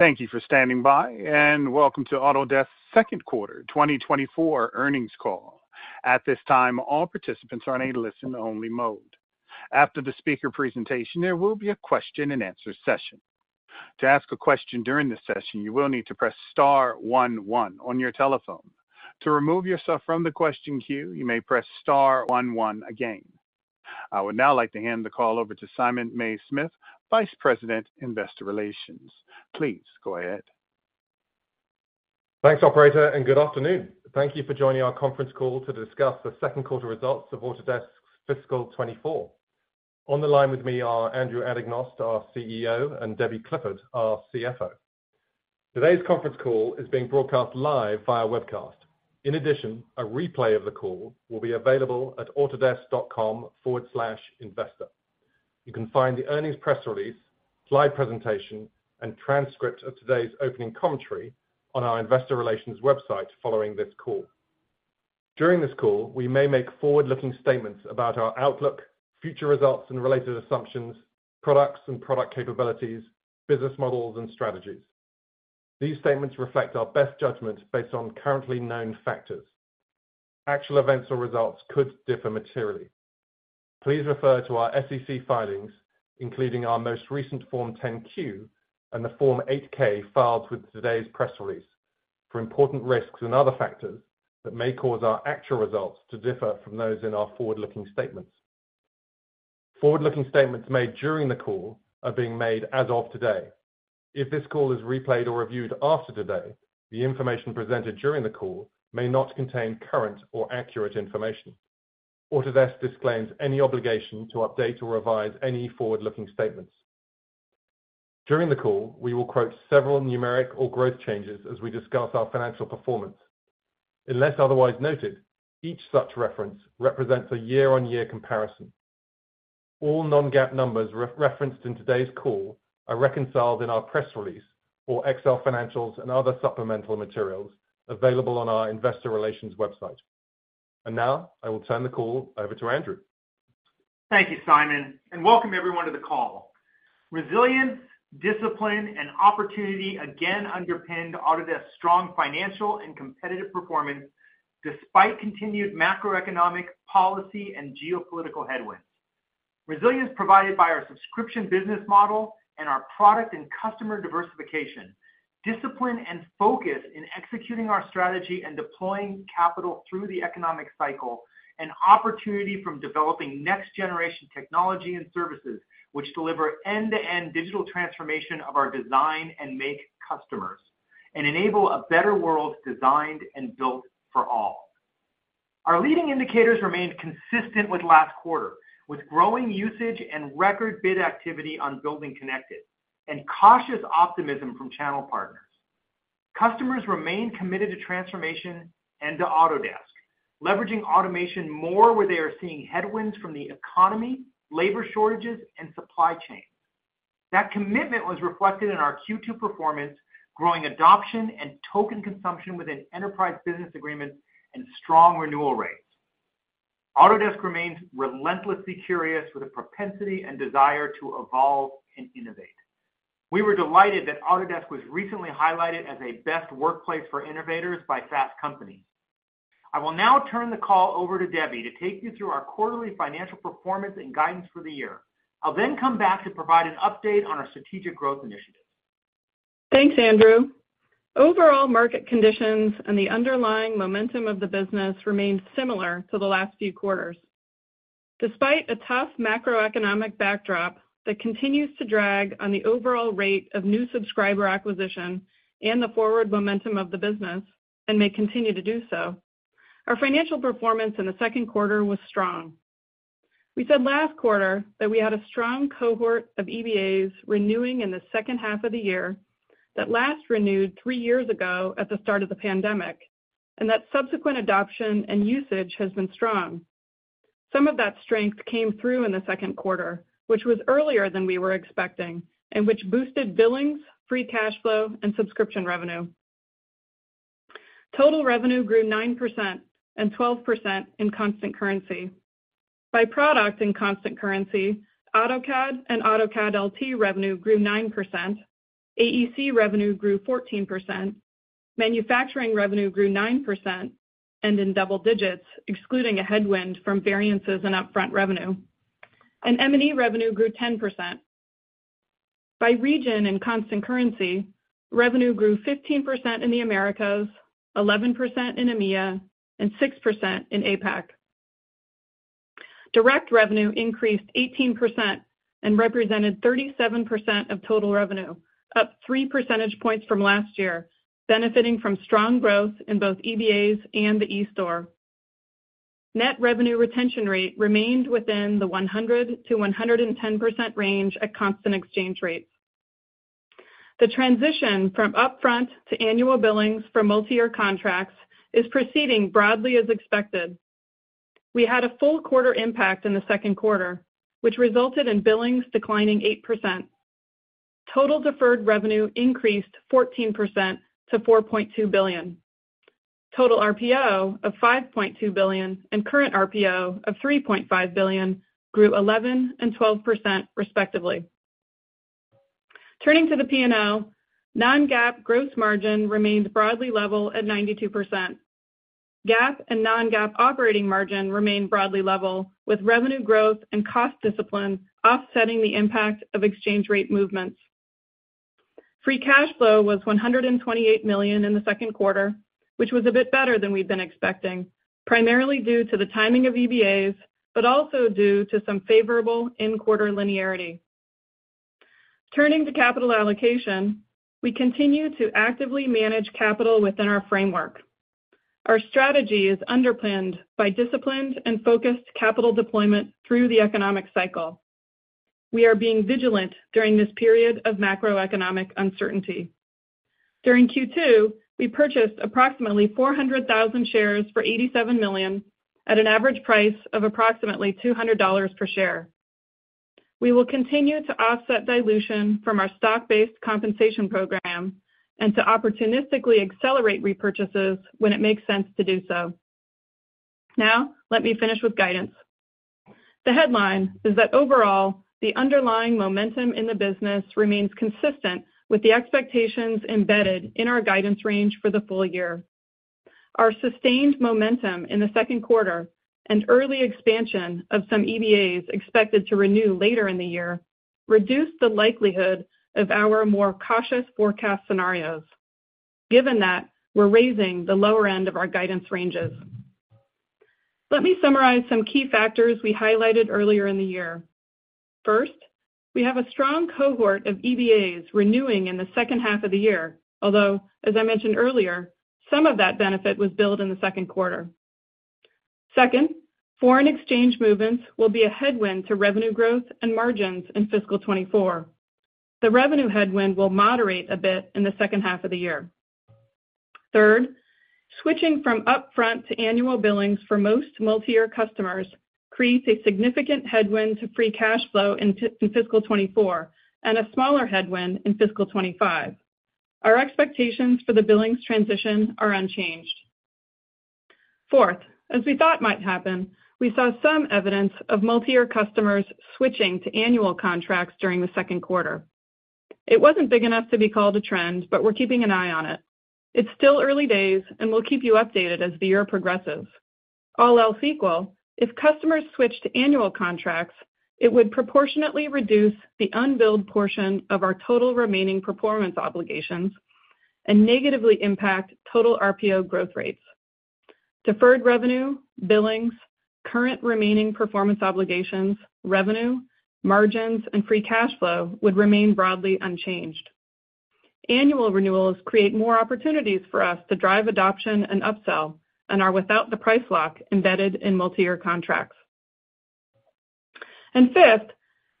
Thank you for standing by, and welcome to Autodesk's second quarter 2024 earnings call. At this time, all participants are in a listen-only mode. After the speaker presentation, there will be a question-and-answer session. To ask a question during the session, you will need to press star one one on your telephone. To remove yourself from the question queue, you may press star one one again. I would now like to hand the call over to Simon Mays-Smith, Vice President, Investor Relations. Please go ahead. Thanks, operator. Good afternoon. Thank you for joining our conference call to discuss the second quarter results of Autodesk's fiscal 2024. On the line with me are Andrew Anagnost, our CEO, and Debbie Clifford, our CFO. Today's conference call is being broadcast live via webcast. In addition, a replay of the call will be available at autodesk.com/investor. You can find the earnings press release, live presentation, and transcript of today's opening commentary on our investor relations website following this call. During this call, we may make forward-looking statements about our outlook, future results and related assumptions, products and product capabilities, business models, and strategies. These statements reflect our best judgment based on currently known factors. Actual events or results could differ materially. Please refer to our SEC filings, including our most recent Form 10-Q and the Form 8-K filed with today's press release, for important risks and other factors that may cause our actual results to differ from those in our forward-looking statements. Forward-looking statements made during the call are being made as of today. If this call is replayed or reviewed after today, the information presented during the call may not contain current or accurate information. Autodesk disclaims any obligation to update or revise any forward-looking statements. During the call, we will quote several numeric or growth changes as we discuss our financial performance. Unless otherwise noted, each such reference represents a year-on-year comparison. All non-GAAP numbers referenced in today's call are reconciled in our press release or Excel financials and other supplemental materials available on our investor relations website. Now, I will turn the call over to Andrew. Thank you, Simon, and welcome everyone to the call. Resilience, discipline, and opportunity again underpinned Autodesk's strong financial and competitive performance, despite continued macroeconomic policy and geopolitical headwinds. Resilience provided by our subscription business model and our product and customer diversification, discipline and focus in executing our strategy and deploying capital through the economic cycle, and opportunity from developing next-generation technology and services, which deliver end-to-end digital transformation of our Design and Make customers and enable a better world designed and built for all. Our leading indicators remained consistent with last quarter, with growing usage and record bid activity on BuildingConnected and cautious optimism from channel partners. Customers remain committed to transformation and to Autodesk, leveraging automation more where they are seeing headwinds from the economy, labor shortages, and supply chain. That commitment was reflected in our Q2 performance, growing adoption and token consumption within enterprise business agreements and strong renewal rates. Autodesk remains relentlessly curious, with a propensity and desire to evolve and innovate. We were delighted that Autodesk was recently highlighted as a best workplace for innovators by Fast Company. I will now turn the call over to Debbie to take you through our quarterly financial performance and guidance for the year. I'll then come back to provide an update on our strategic growth initiatives. Thanks, Andrew. Overall market conditions and the underlying momentum of the business remained similar to the last few quarters. Despite a tough macroeconomic backdrop that continues to drag on the overall rate of new subscriber acquisition and the forward momentum of the business, and may continue to do so, our financial performance in the second quarter was strong. We said last quarter that we had a strong cohort of EBAs renewing in the second half of the year that last renewed three years ago at the start of the pandemic, and that subsequent adoption and usage has been strong. Some of that strength came through in the second quarter, which was earlier than we were expecting, and which boosted billings, free cash flow, and subscription revenue. Total revenue grew 9% and 12% in constant currency. By product and constant currency, AutoCAD and AutoCAD LT revenue grew 9%, AEC revenue grew 14%, manufacturing revenue grew 9%, and in double digits, excluding a headwind from variances in upfront revenue, and M&E revenue grew 10%. By region and constant currency, revenue grew 15% in the Americas, 11% in EMEA, and 6% in APAC. Direct revenue increased 18% and represented 37% of total revenue, up 3 percentage points from last year, benefiting from strong growth in both EBAs and the eStore. Net revenue retention rate remained within the 100%-110% range at constant exchange rates. The transition from upfront to annual billings for multi-year contracts is proceeding broadly as expected. We had a full quarter impact in the second quarter, which resulted in billings declining 8%. Total deferred revenue increased 14% to $4.2 billion. Total RPO of $5.2 billion and current RPO of $3.5 billion grew 11% and 12% respectively. Turning to the P&L, non-GAAP gross margin remains broadly level at 92%. GAAP and non-GAAP operating margin remained broadly level, with revenue growth and cost discipline offsetting the impact of exchange rate movements. Free cash flow was $128 million in the second quarter, which was a bit better than we've been expecting, primarily due to the timing of EBAs, but also due to some favorable in-quarter linearity. Turning to capital allocation, we continue to actively manage capital within our framework. Our strategy is underpinned by disciplined and focused capital deployment through the economic cycle. We are being vigilant during this period of macroeconomic uncertainty. During Q2, we purchased approximately 400,000 shares for $87 million, at an average price of approximately $200 per share. We will continue to offset dilution from our stock-based compensation program and to opportunistically accelerate repurchases when it makes sense to do so. Let me finish with guidance. The headline is that overall, the underlying momentum in the business remains consistent with the expectations embedded in our guidance range for the full year. Our sustained momentum in the second quarter and early expansion of some EBAs expected to renew later in the year reduced the likelihood of our more cautious forecast scenarios. Given that, we're raising the lower end of our guidance ranges. Let me summarize some key factors we highlighted earlier in the year. First, we have a strong cohort of EBAs renewing in the second half of the year, although, as I mentioned earlier, some of that benefit was billed in the second quarter. Second, foreign exchange movements will be a headwind to revenue growth and margins in fiscal 2024. The revenue headwind will moderate a bit in the second half of the year. Third, switching from upfront to annual billings for most multi-year customers creates a significant headwind to free cash flow in fiscal 2024 and a smaller headwind in fiscal 2025. Our expectations for the billings transition are unchanged. Fourth, as we thought might happen, we saw some evidence of multi-year customers switching to annual contracts during the second quarter. It wasn't big enough to be called a trend, but we're keeping an eye on it. It's still early days, and we'll keep you updated as the year progresses. All else equal, if customers switch to annual contracts, it would proportionately reduce the unbilled portion of our total remaining performance obligations and negatively impact total RPO growth rates. Deferred revenue, billings, current remaining performance obligations, revenue, margins, and free cash flow would remain broadly unchanged. Annual renewals create more opportunities for us to drive adoption and upsell and are without the price lock embedded in multi-year contracts. Fifth,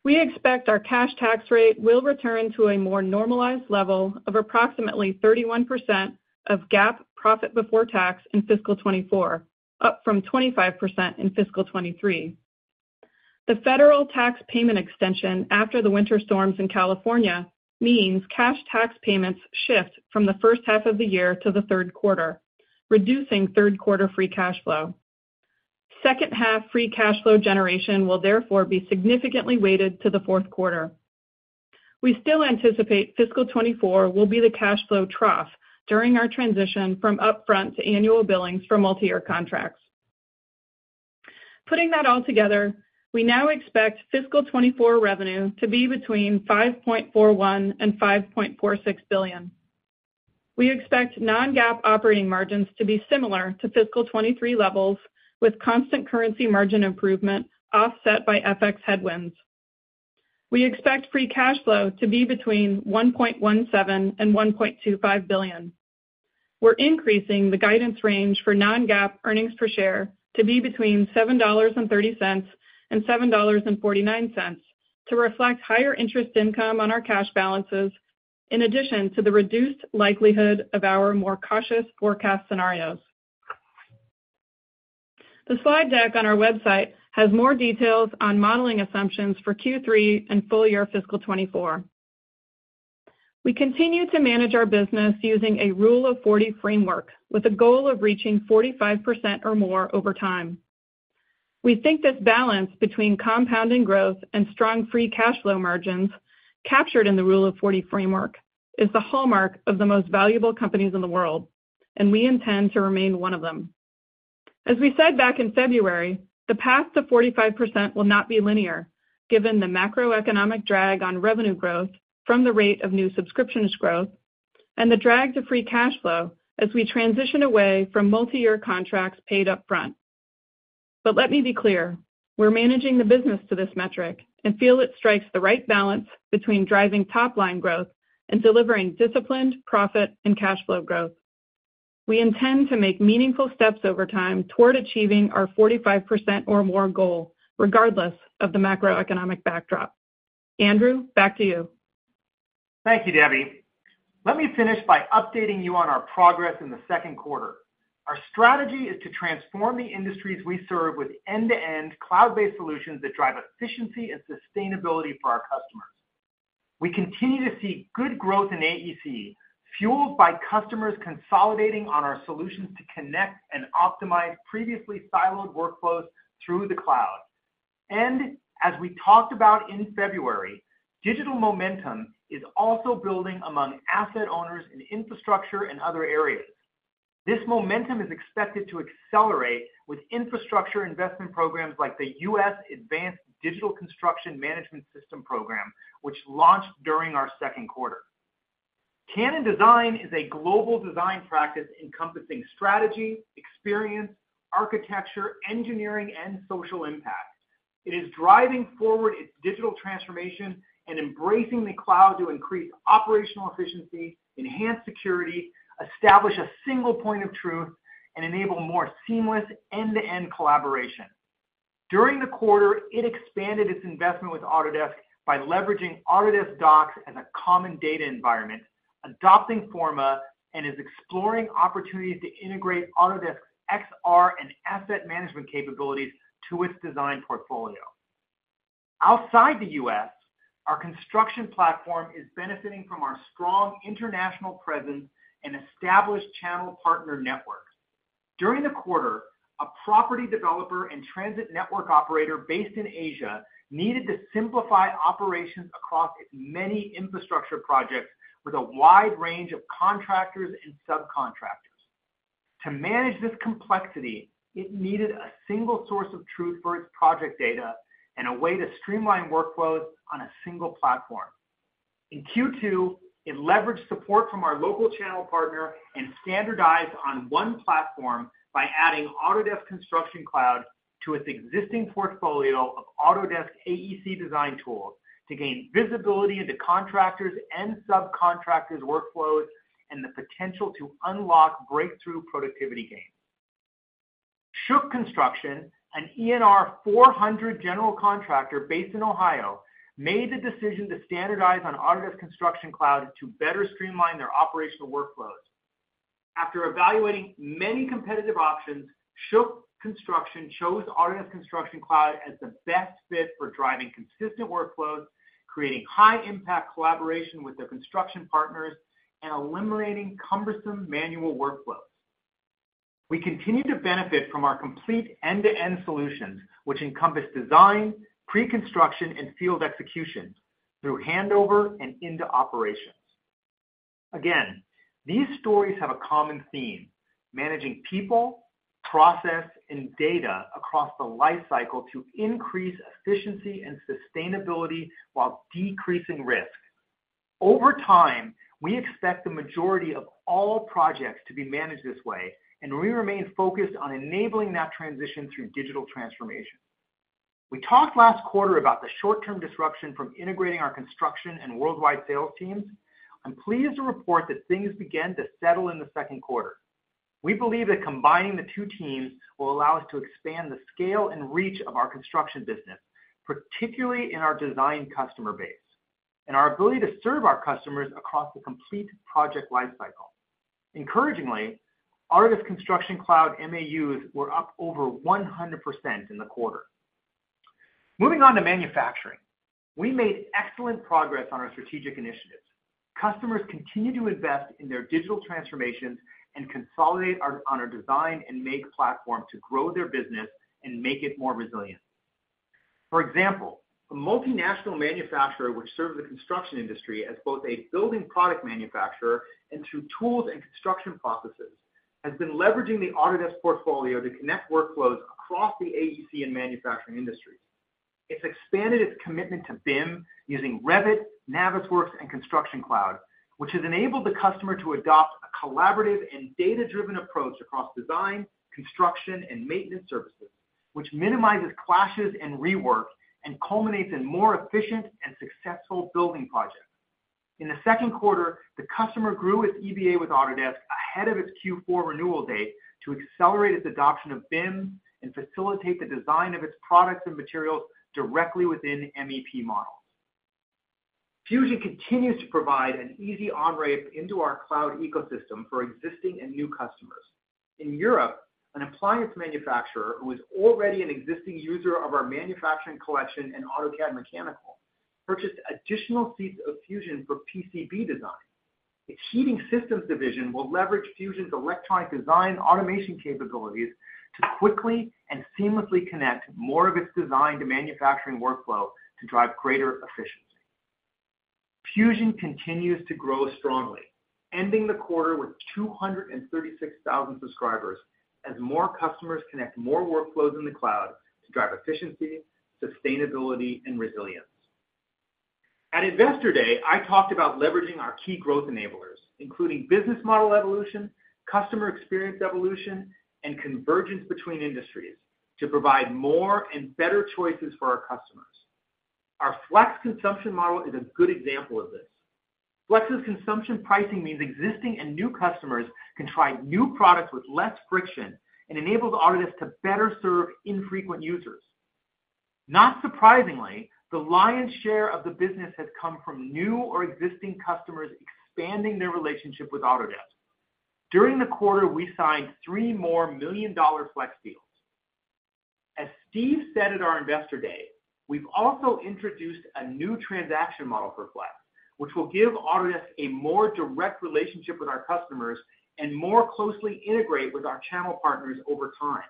we expect our cash tax rate will return to a more normalized level of approximately 31% of GAAP profit before tax in fiscal 2024, up from 25% in fiscal 2023. The federal tax payment extension after the winter storms in California means cash tax payments shift from the first half of the year to the third quarter, reducing third quarter free cash flow. Second half free cash flow generation will therefore be significantly weighted to the fourth quarter. We still anticipate fiscal 2024 will be the cash flow trough during our transition from upfront to annual billings for multi-year contracts. Putting that all together, we now expect fiscal 2024 revenue to be between $5.41 billion and $5.46 billion. We expect non-GAAP operating margins to be similar to fiscal 2023 levels, with constant currency margin improvement offset by FX headwinds. We expect free cash flow to be between $1.17 billion and $1.25 billion. We're increasing the guidance range for non-GAAP earnings per share to be between $7.30 and $7.49, to reflect higher interest income on our cash balances, in addition to the reduced likelihood of our more cautious forecast scenarios. The slide deck on our website has more details on modeling assumptions for Q3 and full year fiscal 2024. We continue to manage our business using a Rule of 40 framework, with a goal of reaching 45% or more over time. We think this balance between compounding growth and strong free cash flow margins captured in the Rule of 40 framework is the hallmark of the most valuable companies in the world, and we intend to remain one of them. As we said back in February, the path to 45% will not be linear, given the macroeconomic drag on revenue growth from the rate of new subscriptions growth and the drag to free cash flow as we transition away from multi-year contracts paid upfront. Let me be clear, we're managing the business to this metric and feel it strikes the right balance between driving top-line growth and delivering disciplined profit and cash flow growth. We intend to make meaningful steps over time toward achieving our 45% or more goal, regardless of the macroeconomic backdrop. Andrew, back to you. Thank you, Debbie. Let me finish by updating you on our progress in the second quarter. Our strategy is to transform the industries we serve with end-to-end cloud-based solutions that drive efficiency and sustainability for our customers. We continue to see good growth in AEC, fueled by customers consolidating on our solutions to connect and optimize previously siloed workflows through the cloud. As we talked about in February, digital momentum is also building among asset owners in infrastructure and other areas. This momentum is expected to accelerate with infrastructure investment programs like the US Advanced Digital Construction Management Systems program, which launched during our second quarter. CannonDesign is a global design practice encompassing strategy, experience, architecture, engineering, and social impact. It is driving forward its digital transformation and embracing the cloud to increase operational efficiency, enhance security, establish a single point of truth, and enable more seamless end-to-end collaboration. During the quarter, it expanded its investment with Autodesk by leveraging Autodesk Docs as a common data environment, adopting Forma, and is exploring opportunities to integrate Autodesk XR and asset management capabilities to its design portfolio. Outside the U.S., our construction platform is benefiting from our strong international presence and established channel partner networks. During the quarter, a property developer and transit network operator based in Asia, needed to simplify operations across its many infrastructure projects with a wide range of contractors and subcontractors. To manage this complexity, it needed a single source of truth for its project data and a way to streamline workflows on a single platform. In Q2, it leveraged support from our local channel partner and standardized on one platform by adding Autodesk Construction Cloud to its existing portfolio of Autodesk AEC design tools, to gain visibility into contractors' and subcontractors' workflows, and the potential to unlock breakthrough productivity gains. Shook Construction, an ENR 400 general contractor based in Ohio, made the decision to standardize on Autodesk Construction Cloud to better streamline their operational workflows. After evaluating many competitive options, Shook Construction chose Autodesk Construction Cloud as the best fit for driving consistent workflows, creating high-impact collaboration with their construction partners, and eliminating cumbersome manual workflows. We continue to benefit from our complete end-to-end solutions, which encompass design, pre-construction, and field execution through handover and into operations. Again, these stories have a common theme: managing people, process, and data across the life cycle to increase efficiency and sustainability while decreasing risk. Over time, we expect the majority of all projects to be managed this way, and we remain focused on enabling that transition through digital transformation. We talked last quarter about the short-term disruption from integrating our construction and worldwide sales teams. I'm pleased to report that things began to settle in the second quarter. We believe that combining the two teams will allow us to expand the scale and reach of our construction business, particularly in our design customer base, and our ability to serve our customers across the complete project life cycle. Encouragingly, Autodesk Construction Cloud MAUs were up over 100% in the quarter. Moving on to manufacturing. We made excellent progress on our strategic initiatives. Customers continue to invest in their digital transformations and consolidate on our Design and Make platform to grow their business and make it more resilient. For example, a multinational manufacturer, which serves the construction industry as both a building product manufacturer and through tools and construction processes, has been leveraging the Autodesk portfolio to connect workflows across the AEC and manufacturing industries. It's expanded its commitment to BIM using Revit, Navisworks, and Autodesk Construction Cloud, which has enabled the customer to adopt a collaborative and data-driven approach across design, construction, and maintenance services, which minimizes clashes and reworks and culminates in more efficient and successful building projects. In the second quarter, the customer grew its EBA with Autodesk ahead of its Q4 renewal date to accelerate its adoption of BIM and facilitate the design of its products and materials directly within MEP models. Autodesk Fusion continues to provide an easy on-ramp into our cloud ecosystem for existing and new customers. In Europe, an appliance manufacturer who is already an existing user of our manufacturing collection and AutoCAD Mechanical, purchased additional seats of Fusion for PCB design. Its heating systems division will leverage Fusion's Electronic Design Automation capabilities to quickly and seamlessly connect more of its design to manufacturing workflow to drive greater efficiency. Fusion continues to grow strongly, ending the quarter with 236,000 subscribers, as more customers connect more workflows in the cloud to drive efficiency, sustainability, and resilience. At Investor Day, I talked about leveraging our key growth enablers, including business model evolution, customer experience evolution, and convergence between industries, to provide more and better choices for our customers. Our Flex consumption model is a good example of this. Flex's consumption pricing means existing and new customers can try new products with less friction and enables Autodesk to better serve infrequent users. Not surprisingly, the lion's share of the business has come from new or existing customers expanding their relationship with Autodesk. During the quarter, we signed three more million-dollar Flex deals. As Steve said at our Investor Day, we've also introduced a new transaction model for Flex, which will give Autodesk a more direct relationship with our customers and more closely integrate with our channel partners over time.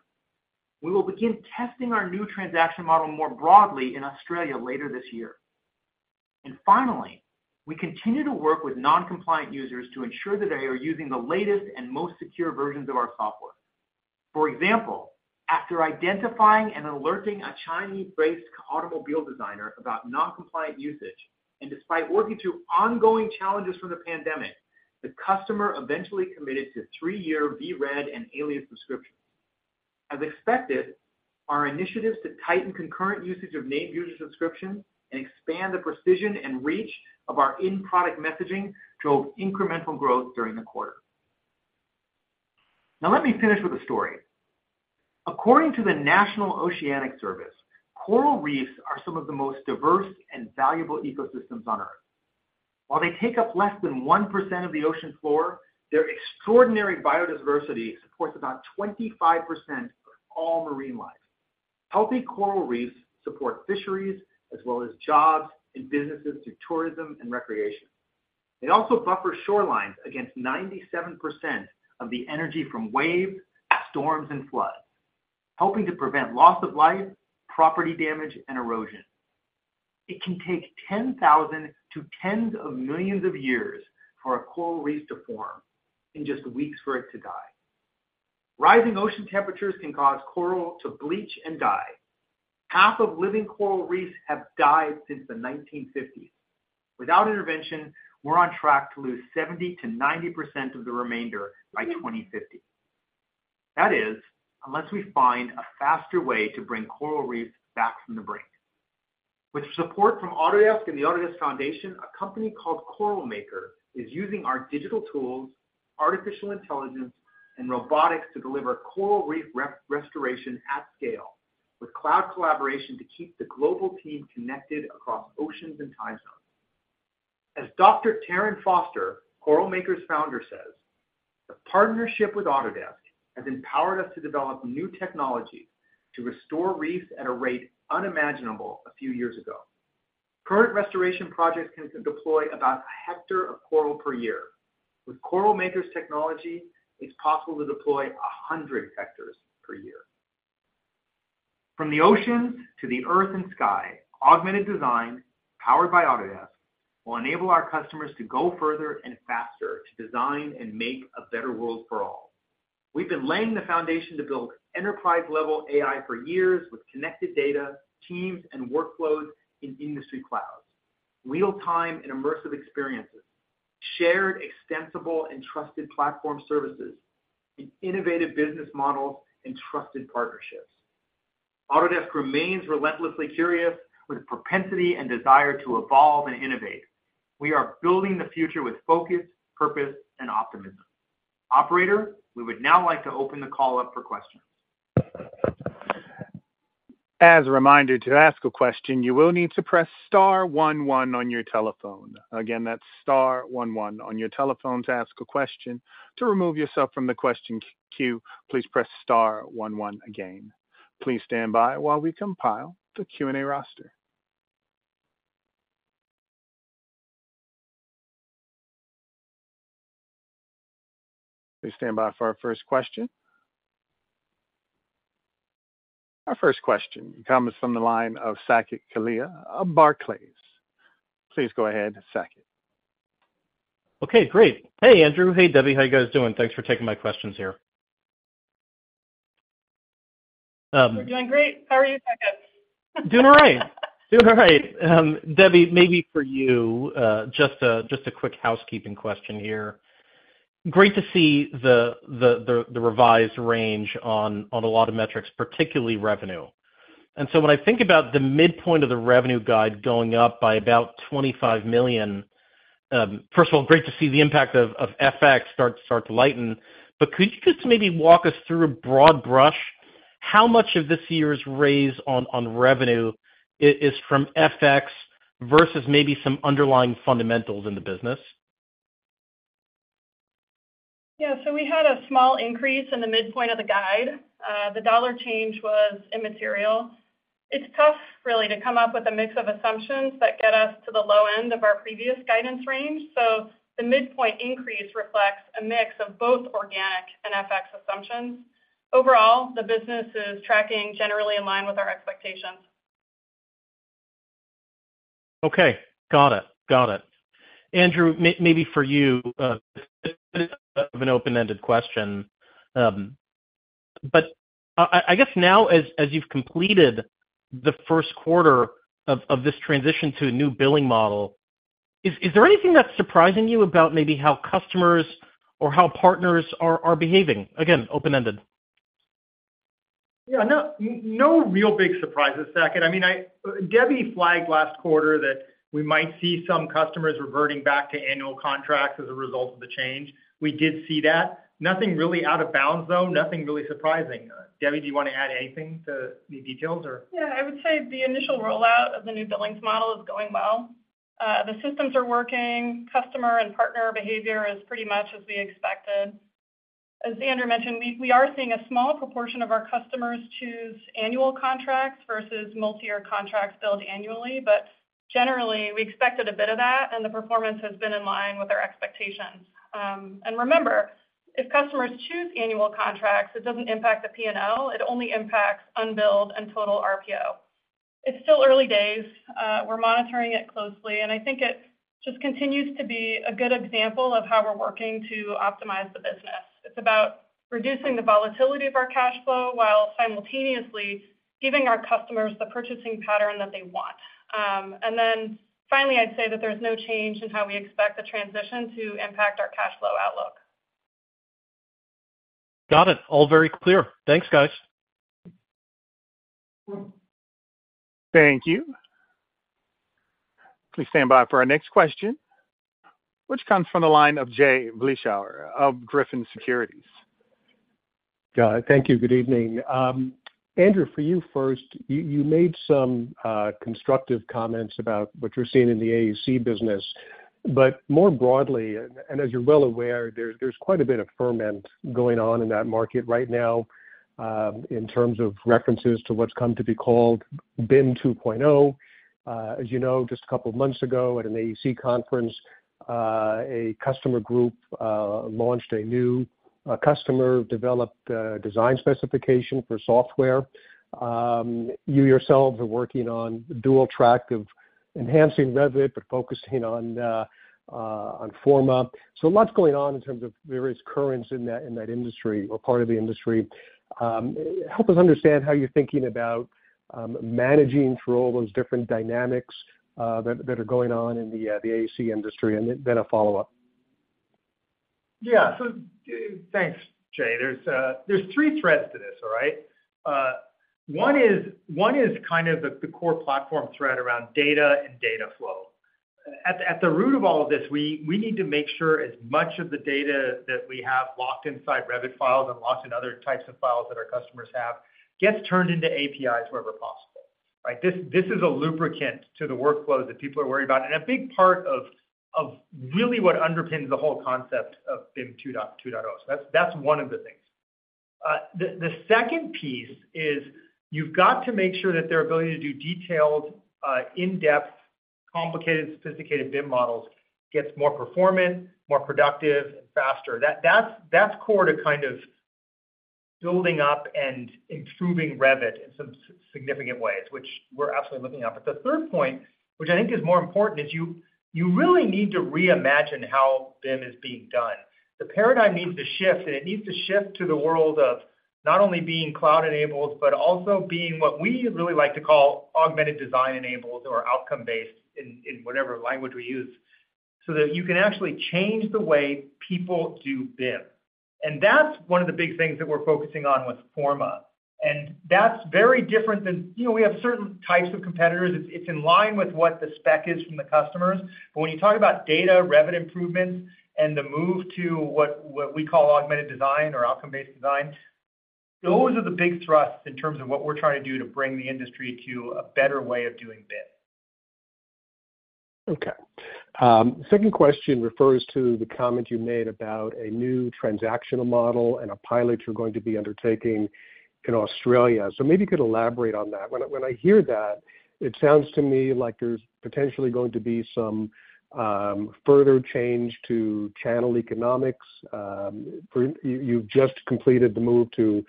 We will begin testing our new transaction model more broadly in Australia later this year. Finally, we continue to work with non-compliant users to ensure that they are using the latest and most secure versions of our software. For example, after identifying and alerting a Chinese-based automobile designer about non-compliant usage, and despite working through ongoing challenges from the pandemic, the customer eventually committed to three-year VRED and Alias subscription. As expected, our initiatives to tighten concurrent usage of named user subscriptions and expand the precision and reach of our in-product messaging drove incremental growth during the quarter. Now, let me finish with a story. According to the National Ocean Service, coral reefs are some of the most diverse and valuable ecosystems on Earth. While they take up less than 1% of the ocean floor, their extraordinary biodiversity supports about 25% of all marine life. Healthy coral reefs support fisheries, as well as jobs and businesses through tourism and recreation. They also buffer shorelines against 97% of the energy from waves, storms, and floods, helping to prevent loss of life, property damage, and erosion. It can take 10,000 to tens of millions of years for a coral reef to form, and just weeks for it to die. Rising ocean temperatures can cause coral to bleach and die. Half of living coral reefs have died since the 1950s. Without intervention, we're on track to lose 70%-90% of the remainder by 2050. That is, unless we find a faster way to bring coral reefs back from the brink. With support from Autodesk and the Autodesk Foundation, a company called Coral Maker is using our digital tools, artificial intelligence, and robotics to deliver coral reef restoration at scale, with cloud collaboration to keep the global team connected across oceans and time zones. As Dr. Taryn Foster, Coral Maker's founder, says, "The partnership with Autodesk has empowered us to develop new technology to restore reefs at a rate unimaginable a few years ago. Current restoration projects can deploy about a hectare of coral per year. With Coral Maker's technology, it's possible to deploy 100 hectares per year. From the oceans to the earth and sky, augmented design, powered by Autodesk, will enable our customers to go further and faster to design and make a better world for all. We've been laying the foundation to build enterprise-level AI for years with connected data, teams, and workflows in industry clouds, real-time and immersive experiences, shared extensible and trusted platform services, and innovative business models and trusted partnerships. Autodesk remains relentlessly curious, with a propensity and desire to evolve and innovate. We are building the future with focus, purpose, and optimism. Operator, we would now like to open the call up for questions. As a reminder, to ask a question, you will need to press star one one on your telephone. Again, that's star one one on your telephone to ask a question. To remove yourself from the question queue, please press star one one again. Please stand by while we compile the Q&A roster. Please stand by for our first question. Our first question comes from the line of Saket Kalia of Barclays. Please go ahead, Saket. Okay, great. Hey, Andrew. Hey, Debbie. How you guys doing? Thanks for taking my questions here. We're doing great. How are you, Saket? Doing all right. Doing all right. Debbie, maybe for you, just a, just a quick housekeeping question here. Great to see the, the, the, the revised range on, on a lot of metrics, particularly revenue. When I think about the midpoint of the revenue guide going up by about $25 million, first of all, great to see the impact of FX start to, start to lighten. Could you just maybe walk us through a broad brush, how much of this year's raise on revenue is from FX versus maybe some underlying fundamentals in the business? Yeah, we had a small increase in the midpoint of the guide. The dollar change was immaterial. It's tough, really, to come up with a mix of assumptions that get us to the low end of our previous guidance range. The midpoint increase reflects a mix of both organic and FX assumptions. Overall, the business is tracking generally in line with our expectations. Okay, got it. Got it. Andrew, maybe for you, of an open-ended question. I guess now, as, as you've completed the first quarter of, of this transition to a new billing model, is, is there anything that's surprising you about maybe how customers or how partners are, are behaving? Again, open-ended. Yeah, no, no real big surprises, Saket. I mean, Debbie flagged last quarter that we might see some customers reverting back to annual contracts as a result of the change. We did see that. Nothing really out of bounds, though, nothing really surprising. Debbie, do you want to add anything to the details or? Yeah, I would say the initial rollout of the new billings model is going well. The systems are working, customer and partner behavior is pretty much as we expected. As Andrew mentioned, we, we are seeing a small proportion of our customers choose annual contracts versus multiyear contracts billed annually. Generally, we expected a bit of that, and the performance has been in line with our expectations. Remember, if customers choose annual contracts, it doesn't impact the P&L, it only impacts unbilled and total RPO. It's still early days. We're monitoring it closely, and I think it just continues to be a good example of how we're working to optimize the business. It's about reducing the volatility of our cash flow while simultaneously giving our customers the purchasing pattern that they want. Finally, I'd say that there's no change in how we expect the transition to impact our cash flow outlook. Got it. All very clear. Thanks, guys. Thank you. Please stand by for our next question, which comes from the line of Jay Vleeschhouwer of Griffin Securities. Thank you. Good evening. Andrew, for you first, you, you made some constructive comments about what you're seeing in the AEC business. More broadly, as you're well aware, there's quite a bit of ferment going on in that market right now, in terms of references to what's come to be called BIM 2.0. As you know, just a couple of months ago, at an AEC conference, a customer group launched a new, customer-developed, design specification for software. You yourselves are working on dual track of enhancing Revit, but focusing on Forma. A lot's going on in terms of various currents in that, in that industry or part of the industry. Help us understand how you're thinking about managing through all those different dynamics that, that are going on in the AEC industry, and then, then a follow-up. Yeah. Thanks, Jay. There's, there's three threads to this, all right? One is, one is kind of the, the core platform thread around data and data flow. At, at the root of all of this, we, we need to make sure as much of the data that we have locked inside Revit files and locked in other types of files that our customers have, gets turned into APIs wherever possible, right? This, this is a lubricant to the workflows that people are worried about, and a big part of, of really what underpins the whole concept of BIM 2.0. That's, that's one of the things. The, the second piece is, you've got to make sure that their ability to do detailed, in-depth, complicated, sophisticated BIM models gets more performant, more productive, and faster. That's, that's core to kind of building up and improving Revit in some significant ways, which we're absolutely looking at. The third point, which I think is more important, is you, you really need to reimagine how BIM is being done. The paradigm needs to shift, and it needs to shift to the world of not only being cloud-enabled, but also being what we really like to call augmented design-enabled or outcome-based, in, in whatever language we use, so that you can actually change the way people do BIM. That's one of the big things that we're focusing on with Forma, and that's very different than. You know, we have certain types of competitors. It's, it's in line with what the spec is from the customers. When you talk about data, Revit improvements, and the move to what, what we call augmented design or outcome-based design, those are the big thrusts in terms of what we're trying to do to bring the industry to a better way of doing BIM. Okay. Second question refers to the comment you made about a new transactional model and a pilot you're going to be undertaking in Australia. Maybe you could elaborate on that. When I, when I hear that, it sounds to me like there's potentially going to be some further change to channel economics. You, you've just completed the move to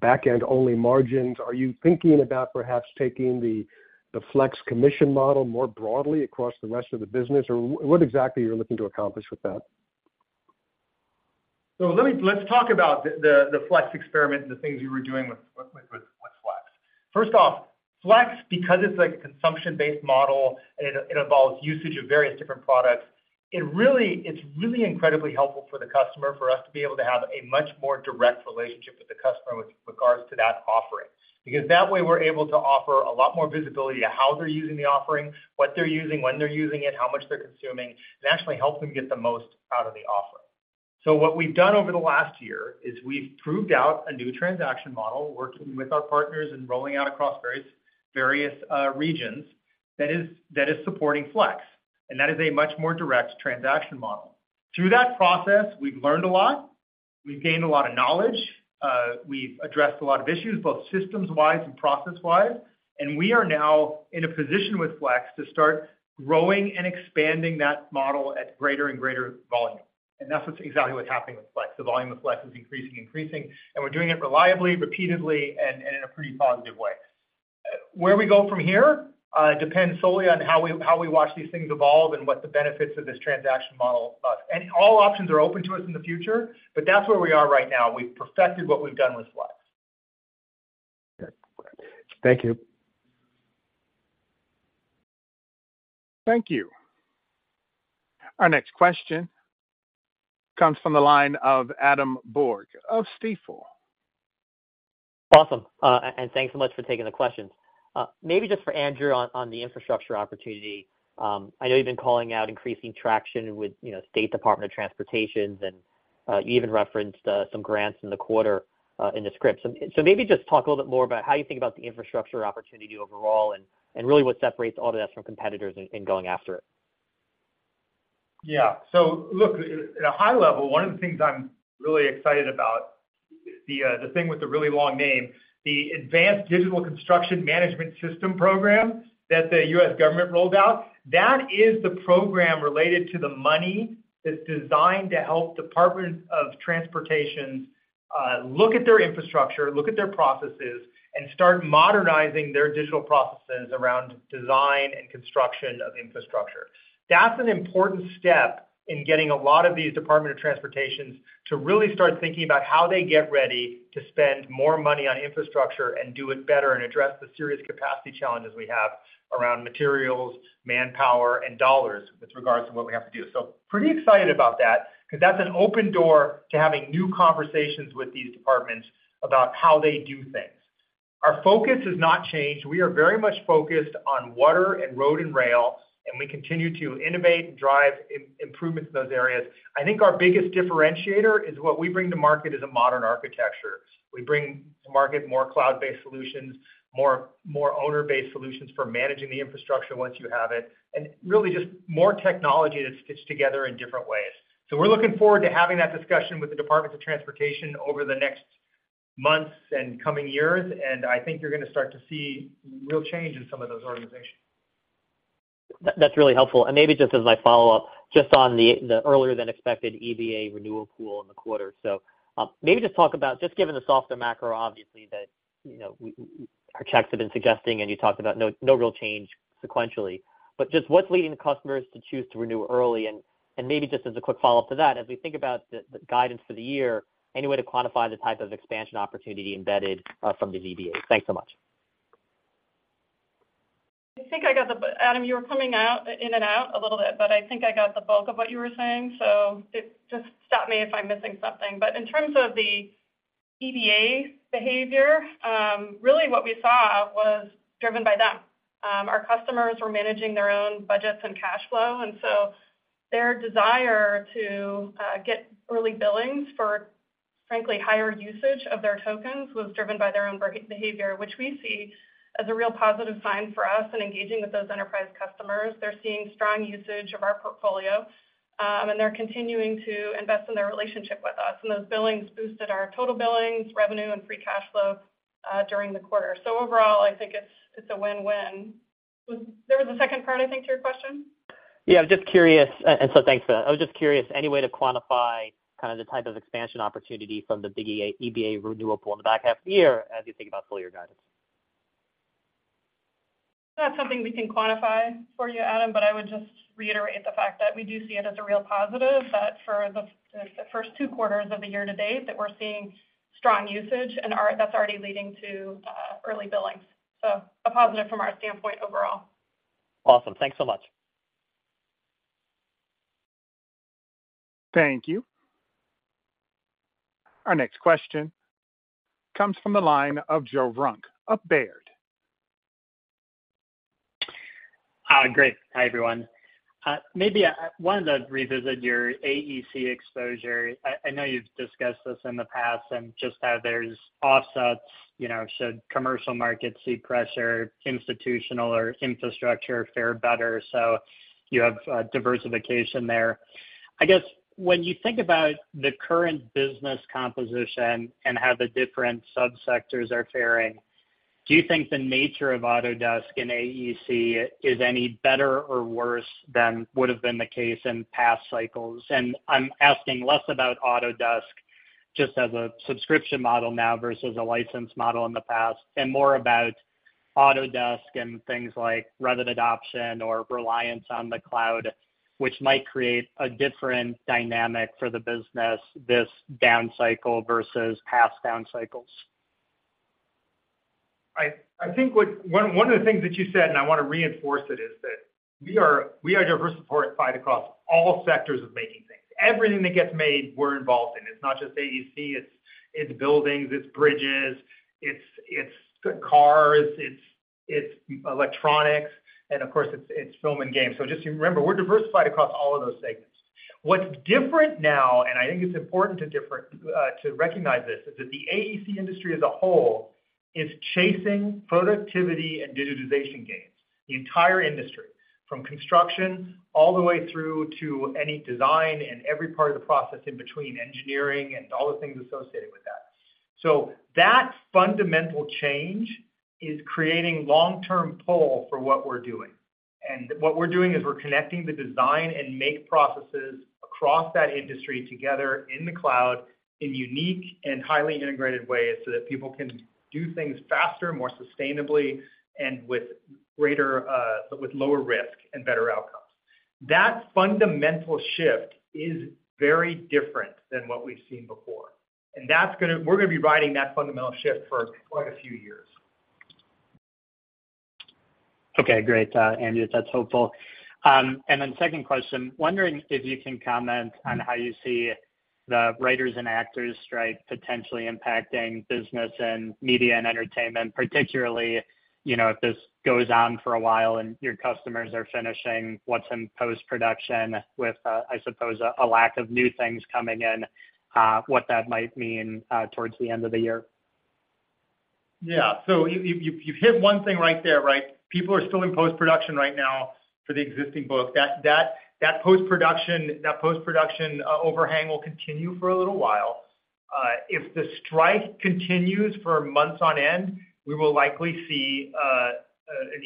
back-end-only margins. Are you thinking about perhaps taking the Flex commission model more broadly across the rest of the business, or what exactly are you looking to accomplish with that? Let's talk about the, the, the Flex experiment and the things we were doing with, with, with, with Flex. First off, Flex, because it's a consumption-based model and it, it involves usage of various different products, it's really incredibly helpful for the customer, for us to be able to have a much more direct relationship with the customer with regards to that offering. That way, we're able to offer a lot more visibility to how they're using the offering, what they're using, when they're using it, how much they're consuming. It actually helps them get the most out of the offering. What we've done over the last year is we've proved out a new transaction model, working with our partners and rolling out across various, various regions that is, that is supporting Flex, and that is a much more direct transaction model. Through that process, we've learned a lot. We've gained a lot of knowledge. We've addressed a lot of issues, both systems-wise and process-wise, and we are now in a position with Flex to start growing and expanding that model at greater and greater volume. That's what's exactly what's happening with Flex. The volume of Flex is increasing and increasing, and we're doing it reliably, repeatedly, and in a pretty positive way. Where we go from here depends solely on how we watch these things evolve and what the benefits of this transaction model are. And all options are open to us in the future, but that's where we are right now. We've perfected what we've done with Flex. Thank you. Thank you. Our next question comes from the line of Adam Borg of Stifel. Awesome, thanks so much for taking the questions. Maybe just for Andrew on the infrastructure opportunity. I know you've been calling out increasing traction with, you know, state Department of Transportation. You even referenced some grants in the quarter in the script. So, maybe just talk a little bit more about how you think about the infrastructure opportunity overall and really what separates Autodesk from competitors in going after it? Yeah. Look, at a high level, one of the things I'm really excited about, the, the thing with the really long name, the Advanced Digital Construction Management Systems program that the U.S. government rolled out, that is the program related to the money that's designed to help Department of Transportation, look at their infrastructure, look at their processes, and start modernizing their digital processes around design and construction of infrastructure. That's an important step in getting a lot of these Department of Transportations to really start thinking about how they get ready to spend more money on infrastructure and do it better and address the serious capacity challenges we have around materials, manpower, and dollars, with regards to what we have to do. Pretty excited about that, because that's an open door to having new conversations with these departments about how they do things. Our focus has not changed. We are very much focused on water and road and rail, and we continue to innovate and drive improvements in those areas. I think our biggest differentiator is what we bring to market as a modern architecture. We bring to market more cloud-based solutions, more owner-based solutions for managing the infrastructure once you have it, and really just more technology that's stitched together in different ways. We're looking forward to having that discussion with the Departments of Transportation over the next months and coming years, and I think you're gonna start to see real change in some of those organizations. That- that's really helpful. Maybe just as my follow-up, just on the, the earlier than expected EBA renewal pool in the quarter. Maybe just talk about, just given the softer macro, obviously, that, you know, we- we- our checks have been suggesting, and you talked about no, no real change sequentially, but just what's leading the customers to choose to renew early? And maybe just as a quick follow-up to that, as we think about the, the guidance for the year, any way to quantify the type of expansion opportunity embedded from the EBA? Thanks so much. I think I got Adam, you were coming out, in and out a little bit, but I think I got the bulk of what you were saying, so just stop me if I'm missing something. In terms of the EBA behavior, really what we saw was driven by them. Our customers were managing their own budgets and cash flow, and so their desire to get early billings for, frankly, higher usage of their tokens was driven by their own behavior, which we see as a real positive sign for us in engaging with those enterprise customers. They're seeing strong usage of our portfolio, and they're continuing to invest in their relationship with us, and those billings boosted our total billings, revenue, and free cash flow during the quarter. Overall, I think it's, it's a win-win. There was a second part, I think, to your question? Yeah, I was just curious. Thanks for that. I was just curious, any way to quantify kind of the type of expansion opportunity from the EBA renewable in the back half of the year as you think about full year guidance? Not something we can quantify for you, Adam, but I would just reiterate the fact that we do see it as a real positive that for the first two quarters of the year to date, that we're seeing strong usage and that's already leading to early billings. A positive from our standpoint overall. Awesome. Thanks so much. Thank you. Our next question comes from the line of Joe Vruwink of Baird. Hi, great. Hi, everyone. Maybe I wanted to revisit your AEC exposure. I know you've discussed this in the past and just how there's offsets, you know, should commercial markets see pressure, institutional or infrastructure fare better, so you have diversification there. I guess, when you think about the current business composition and how the different subsectors are faring, do you think the nature of Autodesk and AEC is any better or worse than would have been the case in past cycles? And I'm asking less about Autodesk just as a subscription model now versus a license model in the past, and more about Autodesk and things like revenue adoption or reliance on the cloud, which might create a different dynamic for the business this down cycle versus past down cycles. I think one of the things that you said, and I wanna reinforce it, is that we are, we are diversified across all sectors of making things. Everything that gets made, we're involved in. It's not just AEC, it's, it's buildings, it's bridges, it's, it's cars, it's, it's electronics, and of course, it's, it's film and games. Just so you remember, we're diversified across all of those segments. What's different now, and I think it's important to recognize this, is that the AEC industry as a whole is chasing productivity and digitization gains. The entire industry, from construction all the way through to any design and every part of the process in between, engineering and all the things associated with that. That fundamental change is creating long-term pull for what we're doing. What we're doing is we're connecting the design and make processes across that industry together in the cloud in unique and highly integrated ways, so that people can do things faster, more sustainably, and with greater, with lower risk and better outcomes. That fundamental shift is very different than what we've seen before, and that's We're gonna be riding that fundamental shift for quite a few years. Okay, great, Andrew, that's helpful. Then second question, wondering if you can comment on how you see the writers and actors strike potentially impacting business and media and entertainment, particularly, you know, if this goes on for a while and your customers are finishing what's in post-production with, I suppose, a lack of new things coming in, what that might mean, towards the end of the year? Yeah, you, you, you hit one thing right there, right? People are still in post-production right now for the existing book. That, that, that post-production, that post-production overhang will continue for a little while. If the strike continues for months on end, we will likely see an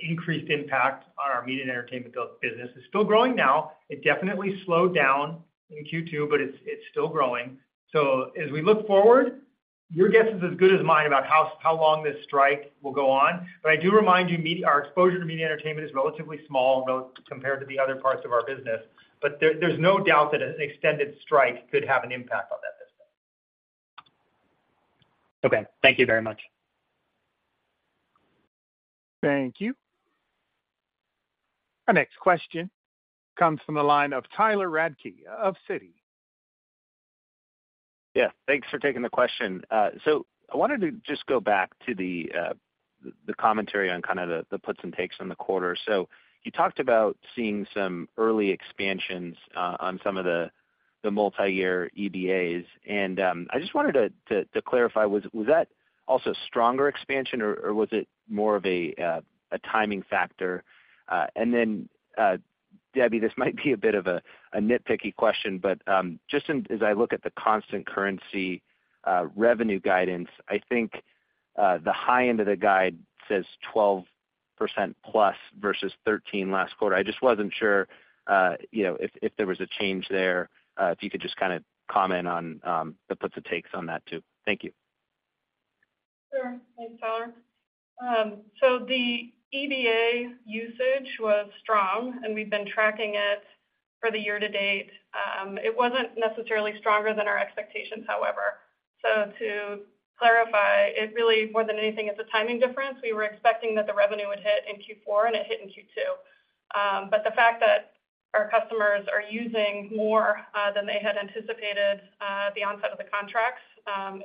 increased impact on our media and entertainment business. It's still growing now. It definitely slowed down in Q2, it's, it's still growing. As we look forward, your guess is as good as mine about how, how long this strike will go on. I do remind you, our exposure to media entertainment is relatively small compared to the other parts of our business, but there, there's no doubt that an extended strike could have an impact on that business. Okay. Thank you very much. Thank you. Our next question comes from the line of Tyler Radke of Citi. Yeah, thanks for taking the question. I wanted to just go back to the commentary on kind of the puts and takes on the quarter. You talked about seeing some early expansions on some of the multiyear EBAs, and I just wanted to clarify, was that also stronger expansion or was it more of a timing factor? And then, Debbie, this might be a bit of a nitpicky question, but just as I look at the constant currency revenue guidance, I think the high end of the guide says 12%+ versus 13% last quarter. I just wasn't sure, you know, if there was a change there, if you could just kind of comment on the puts and takes on that, too. Thank you. Sure. Thanks, Tyler. The EBA usage was strong, and we've been tracking it for the year to date. It wasn't necessarily stronger than our expectations, however. To clarify, it really, more than anything, it's a timing difference. We were expecting that the revenue would hit in Q4, and it hit in Q2. The fact that our customers are using more than they had anticipated at the onset of the contracts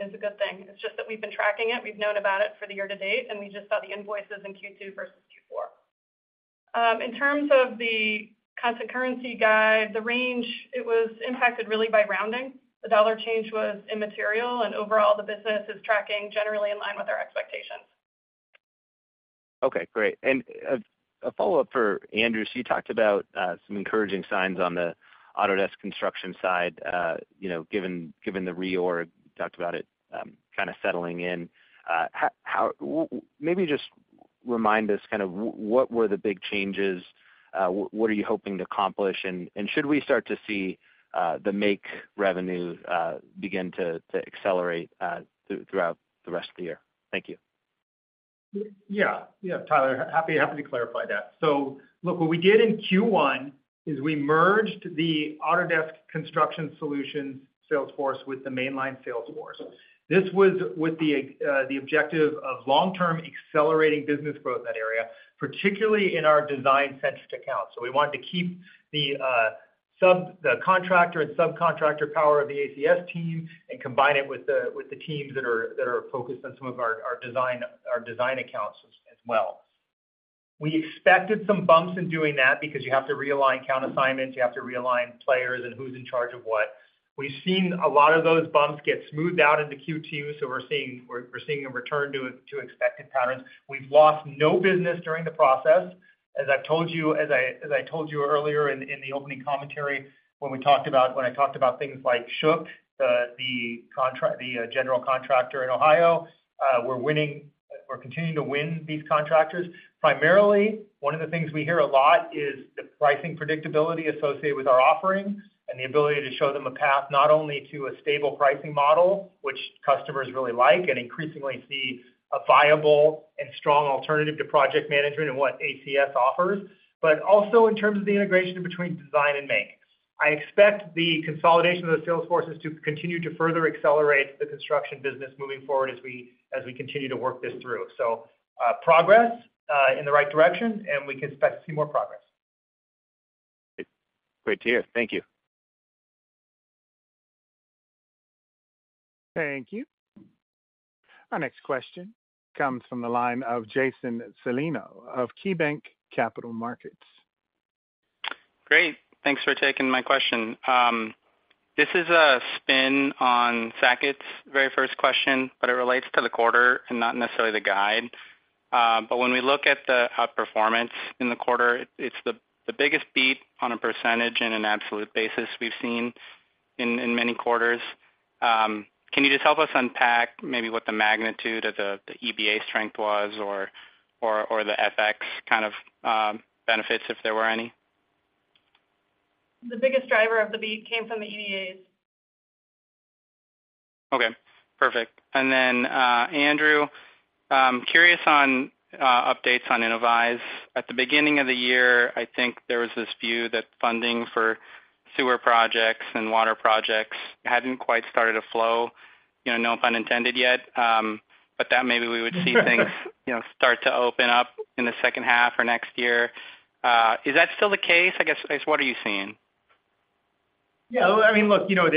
is a good thing. It's just that we've been tracking it. We've known about it for the year to date, and we just saw the invoices in Q2 versus Q4. In terms of the constant currency guide, the range, it was impacted really by rounding. The dollar change was immaterial, and overall, the business is tracking generally in line with our expectations. Okay, great. A follow-up for Andrew. You talked about some encouraging signs on the Autodesk Construction side, you know, given, given the reorg, talked about it, kind of settling in. Maybe just remind us kind of what were the big changes, what are you hoping to accomplish, and, and should we start to see the Make revenue begin to, to accelerate throughout the rest of the year? Thank you. Yeah. Yeah, Tyler. Happy, happy to clarify that. Look, what we did in Q1 is we merged the Autodesk Construction Solution sales force with the mainline sales force. This was with the objective of long-term accelerating business growth in that area, particularly in our design-centric accounts. We wanted to keep the contractor and subcontractor power of the ACS team and combine it with the teams that are focused on some of our design accounts as well. We expected some bumps in doing that because you have to realign account assignments, you have to realign players and who's in charge of what. We've seen a lot of those bumps get smoothed out into Q2, we're seeing a return to expected patterns. We've lost no business during the process. As I've told you, as I, as I told you earlier in, in the opening commentary, when we talked about-- when I talked about things like Shook, the, the contract-- the general contractor in Ohio, we're winning-- we're continuing to win these contractors. Primarily, one of the things we hear a lot is the pricing predictability associated with our offerings and the ability to show them a path not only to a stable pricing model, which customers really like and increasingly see a viable and strong alternative to project management and what ACS offers, but also in terms of the integration between design and make. I expect the consolidation of the sales forces to continue to further accelerate the construction business moving forward as we, as we continue to work this through. Progress in the right direction, and we can expect to see more progress. Great to hear. Thank you. Thank you. Our next question comes from the line of Jason Celino of KeyBanc Capital Markets. Great. Thanks for taking my question. This is a spin on Saket's very first question, but it relates to the quarter and not necessarily the guide. When we look at the outperformance in the quarter, it's the, the biggest beat on a percentage in an absolute basis we've seen in, in many quarters. Can you just help us unpack maybe what the magnitude of the EBA strength was or the FX kind of benefits, if there were any? The biggest driver of the beat came from the EBAs. Okay, perfect. Andrew, I'm curious on updates on Innovyze. At the beginning of the year, I think there was this view that funding for sewer projects and water projects hadn't quite started to flow, you know, no pun intended, yet. That maybe we would see- things, you know, start to open up in the second half or next year. Is that still the case? I guess, what are you seeing? Yeah, I mean, look, you know,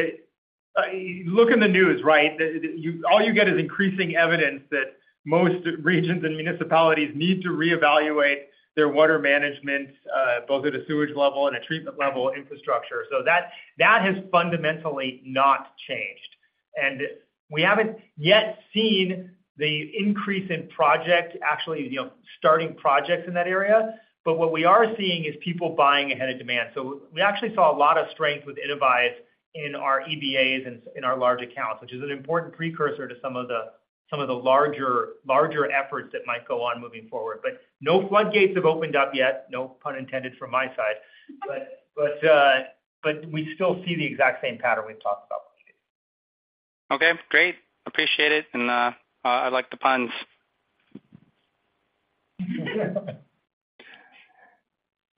you look i nthe news, right? All you get is increasing evidence that most regions and municipalities need to reevaluate their water management, both at a sewage level and a treatment level infrastructure. That, that has fundamentally not changed. And we haven't yet seen the increase in project, actually, you know, starting projects in that area. What we are seeing is people buying ahead of demand. We actually saw a lot of strength with Innovyze in our EBAs and in our large accounts, which is an important precursor to some of the, some of the larger, larger efforts that might go on moving forward. No floodgates have opened up yet, no pun intended from my side. But we still see the exact same pattern we've talked about. Okay, great. Appreciate it, and I like the puns.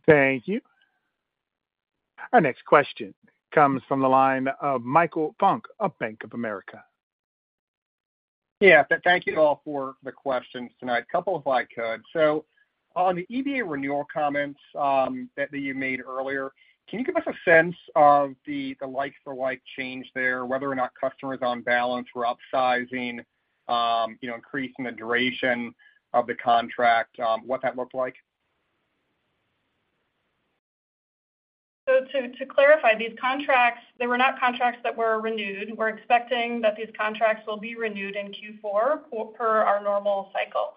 Thank you. Our next question comes from the line of Michael Funk of Bank of America. Yeah, thank you all for the questions tonight. A couple, if I could. On the EBA renewal comments that you made earlier, can you give us a sense of the like for like change there, whether or not customers on balance were upsizing, you know, increasing the duration of the contract, what that looked like? To, to clarify, these contracts, they were not contracts that were renewed. We're expecting that these contracts will be renewed in Q4 per our normal cycle.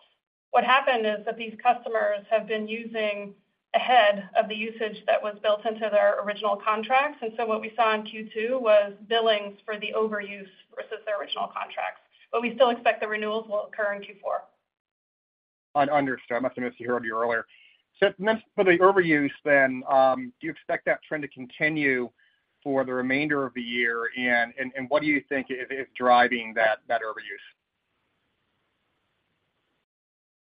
What happened is that these customers have been using ahead of the usage that was built into their original contracts, and so what we saw in Q2 was billings for the overuse versus their original contracts. We still expect the renewals will occur in Q4. I understand. I must have missed you heard earlier. For the overuse then, do you expect that trend to continue for the remainder of the year, and, and, and what do you think is, is driving that, that overuse?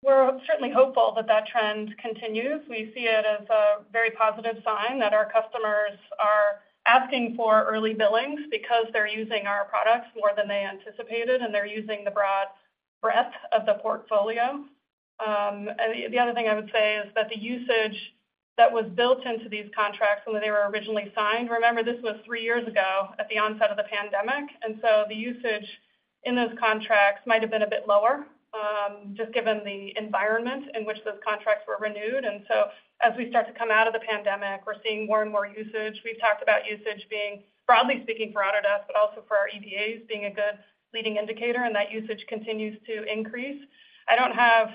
We're certainly hopeful that that trend continues. We see it as a very positive sign that our customers are asking for early billings because they're using our products more than they anticipated, and they're using the broad breadth of the portfolio. The other thing I would say is that the usage that was built into these contracts when they were originally signed, remember, this was three years ago at the onset of the pandemic, so the usage in those contracts might have been a bit lower, just given the environment in which those contracts were renewed. As we start to come out of the pandemic, we're seeing more and more usage. We've talked about usage being, broadly speaking, for Autodesk, but also for our EBAs, being a good leading indicator, and that usage continues to increase. I don't have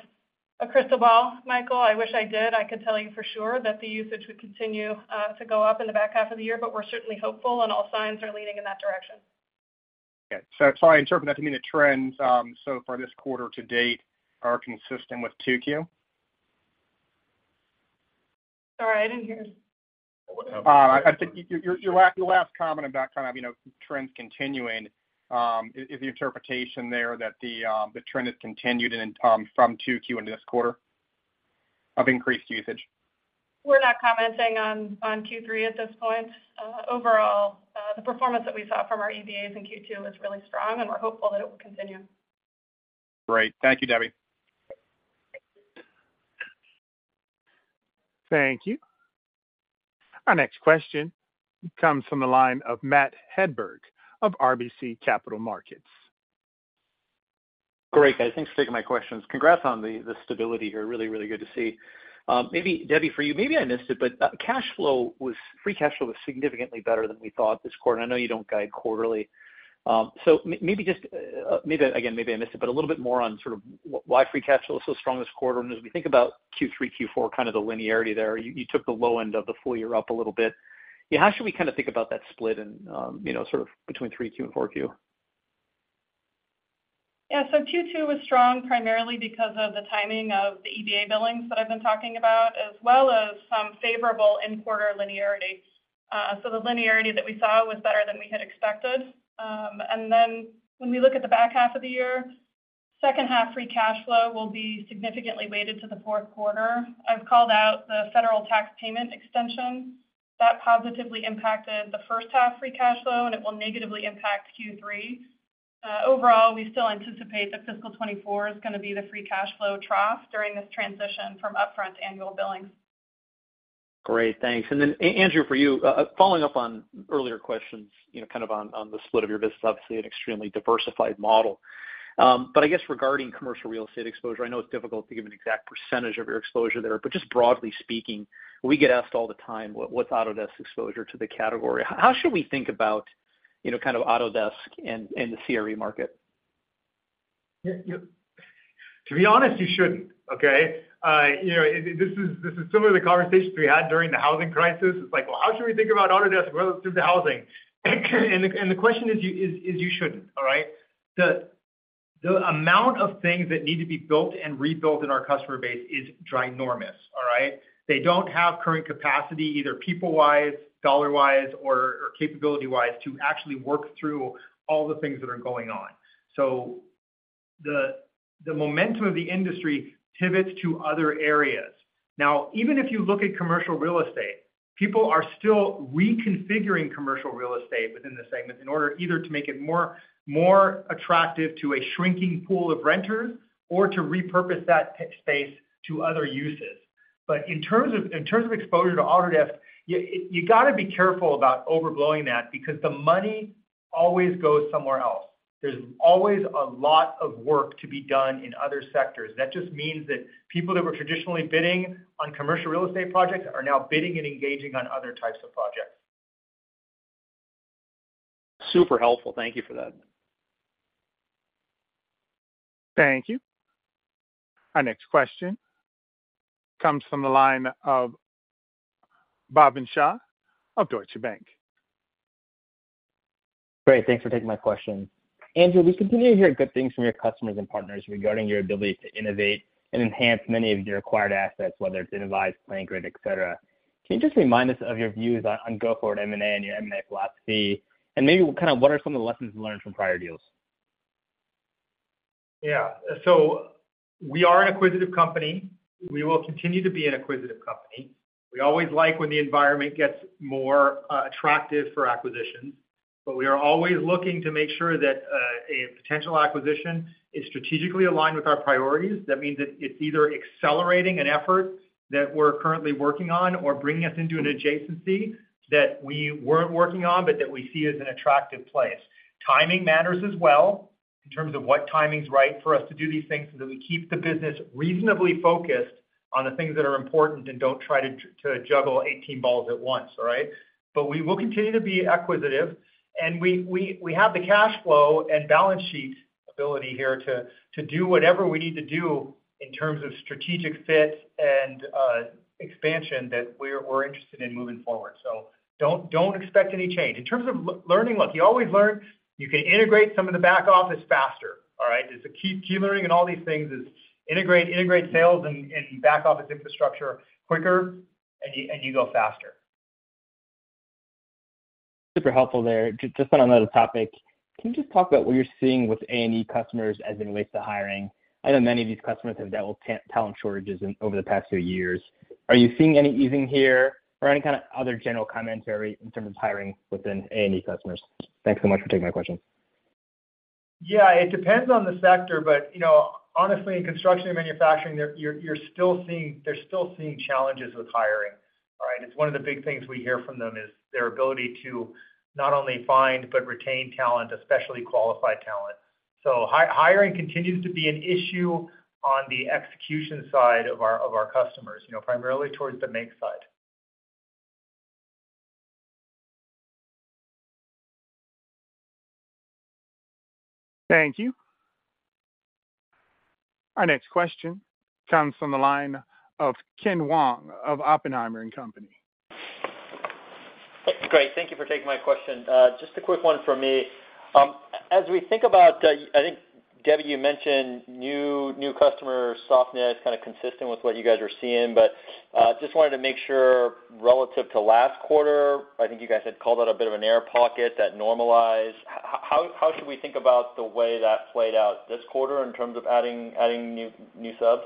a crystal ball, Michael. I wish I did. I could tell you for sure that the usage would continue to go up in the back half of the year, but we're certainly hopeful and all signs are leading in that direction. I interpret that to mean the trends, so for this quarter to date are consistent with 2Q? Sorry, I didn't hear. I think your, your, your last comment about kind of, you know, trends continuing, is, is the interpretation there that the, the trend has continued in, from 2Q into this quarter of increased usage? We're not commenting on Q3 at this point. Overall, the performance that we saw from our EBAs in Q2 was really strong. We're hopeful that it will continue. Great. Thank you, Debbie. Thank you. Our next question comes from the line of Matt Hedberg of RBC Capital Markets. Great, guys. Thanks for taking my questions. Congrats on the, the stability here. Really, really good to see. Maybe Debbie, for you, maybe I missed it, free cash flow was significantly better than we thought this quarter. I know you don't guide quarterly. Maybe just, maybe again, maybe I missed it, a little bit more on sort of why free cash flow is so strong this quarter. As we think about Q3, Q4, kind of the linearity there, you, you took the low end of the full year up a little bit. Yeah, how should we kinda think about that split in, you know, sort of between 3Q and 4Q? Q2 was strong, primarily because of the timing of the EBA billings that I've been talking about, as well as some favorable in-quarter linearity. The linearity that we saw was better than we had expected. When we look at the back half of the year, second half free cash flow will be significantly weighted to the fourth quarter. I've called out the Federal Tax Payment Extension. That positively impacted the first half free cash flow, and it will negatively impact Q3. We still anticipate that fiscal 2024 is gonna be the free cash flow trough during this transition from upfront annual billings. Great, thanks. Then Andrew, for you, following up on earlier questions, you know, kind of on, on the split of your business, obviously an extremely diversified model. I guess regarding commercial real estate exposure, I know it's difficult to give an exact percentage of your exposure there, but just broadly speaking, we get asked all the time, what, what's Autodesk's exposure to the category? How should we think about, you know, kind of Autodesk and, and the CRE market? Yeah, yeah. To be honest, you shouldn't, okay? You know, this is, this is similar to the conversations we had during the housing crisis. It's like, well, how should we think about Autodesk relative to housing? The, the question is you shouldn't, all right? The, the amount of things that need to be built and rebuilt in our customer base is ginormous, all right? They don't have current capacity, either people-wise, dollar-wise, or, or capability-wise, to actually work through all the things that are going on. The, the momentum of the industry pivots to other areas. Now, even if you look at commercial real estate, people are still reconfiguring commercial real estate within the segment in order either to make it more, more attractive to a shrinking pool of renters or to repurpose that space to other uses. In terms of, in terms of exposure to Autodesk, you gotta be careful about overblowing that because the money always goes somewhere else. There's always a lot of work to be done in other sectors. That just means that people that were traditionally bidding on commercial real estate projects are now bidding and engaging on other types of projects. Super helpful. Thank you for that. Thank you. Our next question comes from the line of Bhavin Shah of Deutsche Bank. Great, thanks for taking my question. Andrew, we continue to hear good things from your customers and partners regarding your ability to innovate and enhance many of your acquired assets, whether it's Innovyze, PlanGrid, et cetera. Can you just remind us of your views on go-forward M&A and your M&A philosophy, and maybe kind of what are some of the lessons learned from prior deals? Yeah. We are an acquisitive company. We will continue to be an acquisitive company. We always like when the environment gets more attractive for acquisitions. We are always looking to make sure that a potential acquisition is strategically aligned with our priorities. That means that it's either accelerating an effort that we're currently working on or bringing us into an adjacency that we weren't working on, that we see as an attractive place. Timing matters as well, in terms of what timing's right for us to do these things, that we keep the business reasonably focused on the things that are important and don't try to juggle 18 balls at once, all right? We will continue to be acquisitive, and we have the cash flow and balance sheet ability here to do whatever we need to do in terms of strategic fit and expansion that we're interested in moving forward. Don't expect any change. In terms of learning, look, you always learn. You can integrate some of the back office faster, all right? Just the key, key learning in all these things is integrate, integrate sales and back office infrastructure quicker, and you go faster. Super helpful there. Just, just on another topic, can you just talk about what you're seeing with A&E customers as it relates to hiring? I know many of these customers have dealt with talent shortages in, over the past few years. Are you seeing any easing here or any kind of other general commentary in terms of hiring within A&E customers? Thanks so much for taking my question. Yeah, it depends on the sector, but, you know, honestly, in construction and manufacturing, they're still seeing challenges with hiring. All right? It's one of the big things we hear from them, is their ability to not only find, but retain talent, especially qualified talent. So hiring continues to be an issue on the execution side of our, of our customers, you know, primarily towards the make side. Thank you. Our next question comes from the line of Ken Wong of Oppenheimer & Co. Great. Thank you for taking my question. Just a quick one from me. As we think about, I think, Debbie, you mentioned new, new customer soft net, kind of consistent with what you guys are seeing. Just wanted to make sure, relative to last quarter, I think you guys had called out a bit of an air pocket that normalized. How should we think about the way that played out this quarter in terms of adding, adding new, new subs?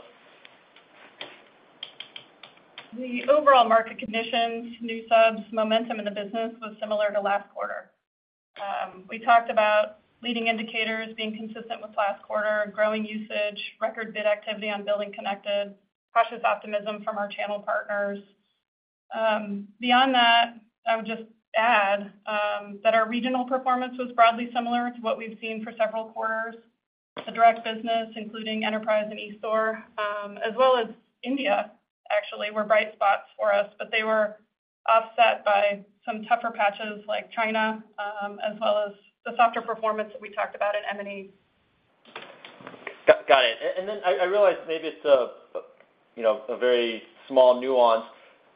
The overall market conditions, new subs, momentum in the business was similar to last quarter. We talked about leading indicators being consistent with last quarter, growing usage, record bid activity on BuildingConnected, cautious optimism from our channel partners. Beyond that, I would just add that our regional performance was broadly similar to what we've seen for several quarters. The direct business, including enterprise and eStore, as well as India, actually, were bright spots for us, but they were offset by some tougher patches like China, as well as the softer performance that we talked about in M&E. Got it. I, I realize maybe it's a, you know, a very small nuance,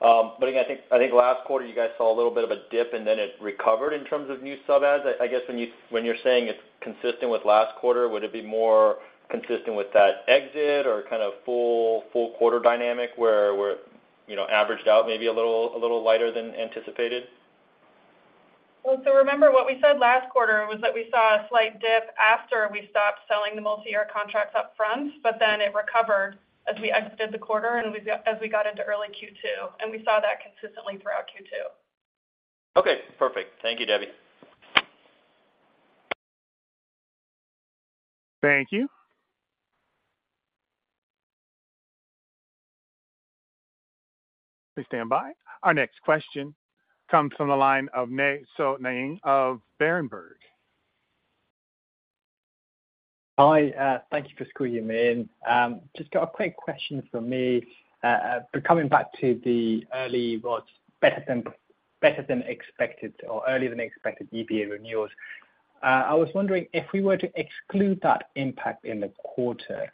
again, I think, I think last quarter you guys saw a little bit of a dip, and then it recovered in terms of new sub adds. I, I guess when you're saying it's consistent with last quarter, would it be more consistent with that exit or kind of full, full quarter dynamic, where we're, you know, averaged out maybe a little, a little lighter than anticipated? Well, remember, what we said last quarter was that we saw a slight dip after we stopped selling the multiyear contracts up front, but then it recovered as we exited the quarter and as we got into early Q2, and we saw that consistently throughout Q2. Okay, perfect. Thank you, Debbie. Thank you. Please stand by. Our next question comes from the line of Nay Soe Naing of Berenberg. Hi, thank you for squeezing me in. Just got a quick question from me. Coming back to the early what's better than, better than expected or earlier than expected EBA renewals, I was wondering, if we were to exclude that impact in the quarter,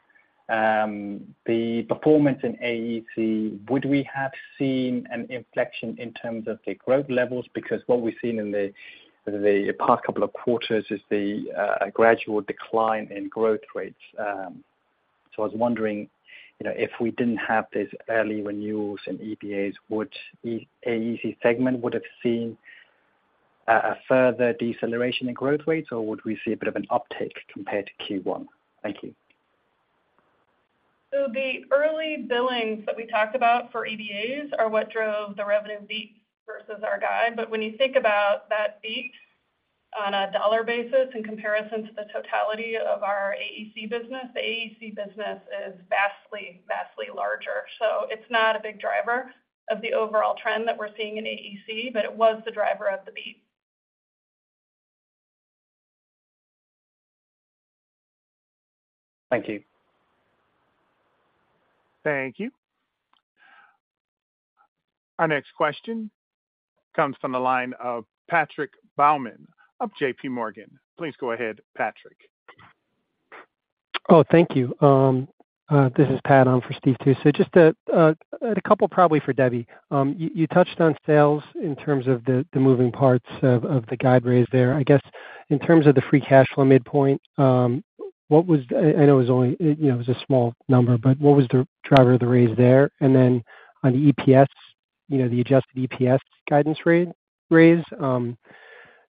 the performance in AEC, would we have seen an inflection in terms of the growth levels? Because what we've seen in the past couple of quarters is a gradual decline in growth rates. I was wondering, you know, if we didn't have these early renewals and EBAs, would AEC segment would have seen a further deceleration in growth rates, or would we see a bit of an uptick compared to Q1? Thank you. The early billings that we talked about for EPAs are what drove the revenue beat versus our guide. When you think about that beat on a dollar basis in comparison to the totality of our AEC business, the AEC business is vastly, vastly larger. It's not a big driver of the overall trend that we're seeing in AEC, but it was the driver of the beat. Thank you. Thank you. Our next question comes from the line of Patrick Baumann of JP Morgan. Please go ahead, Patrick. Thank you. This is Pat on for Steve too. Just a couple probably for Debbie. You, you touched on sales in terms of the, the moving parts of, of the guide raise there. I guess, in terms of the free cash flow midpoint, what was-- I, I know it was only, it, you know, it was a small number, but what was the driver of the raise there? On the EPS, you know, the adjusted EPS guidance ra- raise,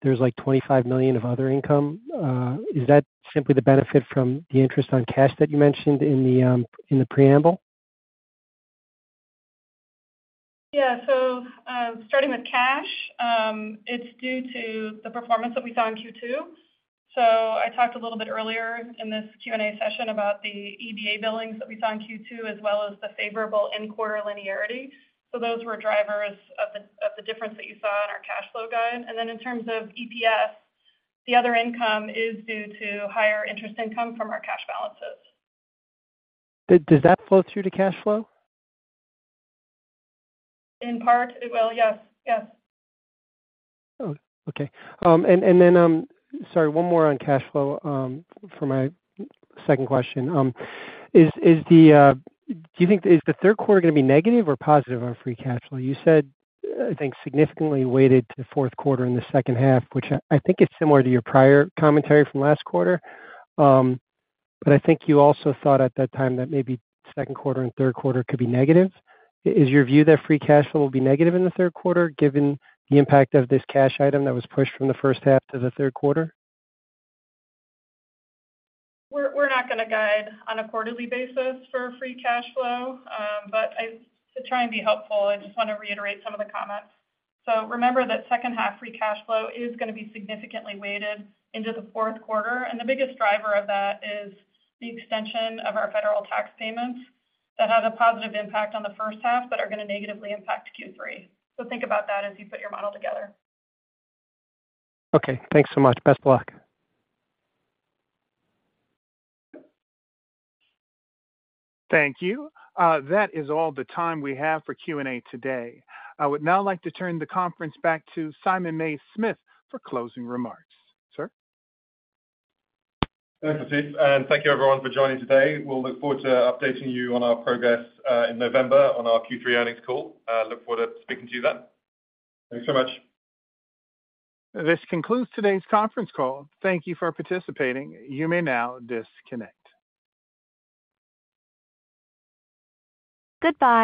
there's like $25 million of other income. Is that simply the benefit from the interest on cash that you mentioned in the preamble? Yeah. Starting with cash, it's due to the performance that we saw in Q2. I talked a little bit earlier in this Q&A session about the EDA billings that we saw in Q2, as well as the favorable end quarter linearity. Those were drivers of the difference that you saw in our cash flow guide. In terms of EPS, the other income is due to higher interest income from our cash balances. Did, does that flow through to cash flow? In part, it will. Yes. Yes. Oh, okay. Then, sorry, one more on cash flow, for my second question. Do you think, is the third quarter gonna be negative or positive on free cash flow? You said, I think, significantly weighted to the fourth quarter in the second half, which I, I think it's similar to your prior commentary from last quarter. I think you also thought at that time that maybe second quarter and third quarter could be negative. Is your view that free cash flow will be negative in the third quarter, given the impact of this cash item that was pushed from the first half to the third quarter? We're, we're not gonna guide on a quarterly basis for free cash flow. I, to try and be helpful, I just want to reiterate some of the comments. Remember that second half free cash flow is gonna be significantly weighted into the fourth quarter, and the biggest driver of that is the extension of our federal tax payments. That has a positive impact on the first half, but are gonna negatively impact Q3. Think about that as you put your model together. Okay, thanks so much. Best of luck. Thank you. That is all the time we have for Q&A today. I would now like to turn the conference back to Simon Mays-Smith for closing remarks. Sir? Thanks, Steve, and thank you everyone for joining today. We'll look forward to updating you on our progress in November on our Q3 earnings call. Look forward to speaking to you then. Thanks so much. This concludes today's conference call. Thank you for participating. You may now disconnect. Goodbye.